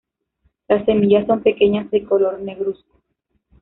Las semillas son pequeñas de color negruzco.